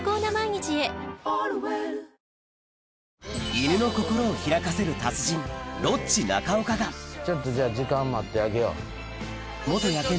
犬の心を開かせる達人ちょっとじゃあ時間待ってあげよう。